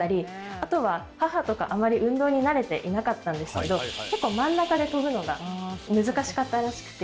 あとは母とかあまり運動に慣れていなかったんですけど結構真ん中で跳ぶのが難しかったらしくて。